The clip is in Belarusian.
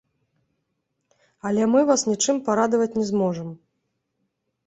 Але мы вас нічым парадаваць не зможам.